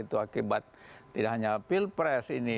itu terjadi karena tidak hanya pilpres ini